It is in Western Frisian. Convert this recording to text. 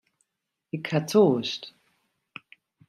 Ik ha toarst.